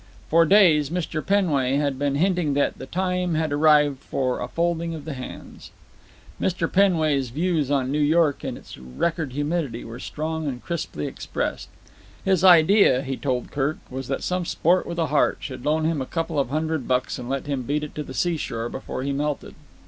For days Mr. Penway had been hinting that the time had arrived for a folding of the hands. Mr. Penway's views on New York and its record humidity were strong and crisply expressed. His idea, he told Kirk, was that some sport with a heart should loan him a couple of hundred bucks and let him beat it to the seashore before he melted.